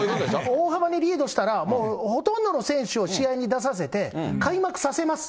大幅にリードしたら、もうほとんどの選手を試合に出させて、開幕させます。